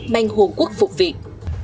mang hồ quốc phục việt